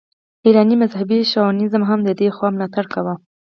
ایراني مذهبي شاونیزم هم د دې خوا ملاتړ کاوه.